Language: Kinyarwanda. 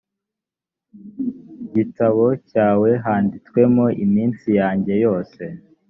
gitabo cyawe handitswemo iminsi yanjye yose